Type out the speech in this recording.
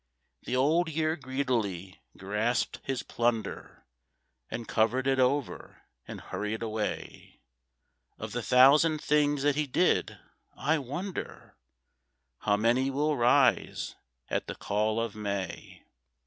The Old Year greedily grasped his plunder, And covered it over and hurried away: Of the thousand things that he did, I wonder How many will rise at the call of May?